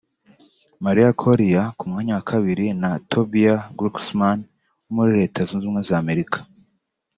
Maria Correa; ku mwanya wa kabiri ni Tobias Glucksman wo muri Leta Zunze Ubumwe za Amerika